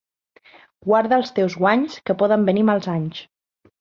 Guarda els teus guanys, que poden venir mals anys.